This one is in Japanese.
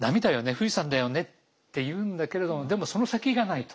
富士山だよね」って言うんだけれどもでもその先がないと。